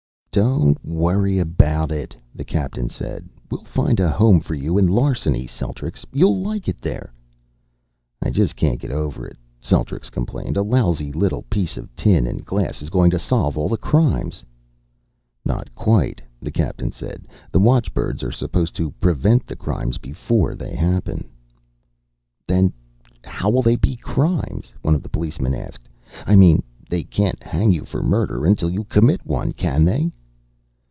"Don't worry about it," the captain said. "We'll find a home for you in Larceny, Celtrics. You'll like it here." "I just can't get over it," Celtrics complained. "A lousy little piece of tin and glass is going to solve all the crimes." "Not quite," the captain said. "The watchbirds are supposed to prevent the crimes before they happen." "Then how'll they be crimes?" one of the policeman asked. "I mean they can't hang you for murder until you commit one, can they?"